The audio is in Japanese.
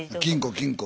金庫？